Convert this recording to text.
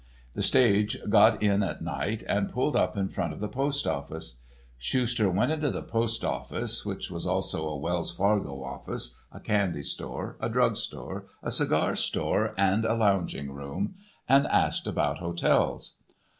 The stage got in at night and pulled up in front of the postoffice. Schuster went into the postoffice, which was also a Wells Fargo office, a candy store, a drug store, a cigar store, and a lounging room, and asked about hotels.